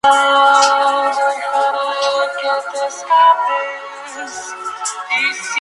En la zona sobreviven vestigios de ese pasado obrero, casonas familiares y ex conventillos.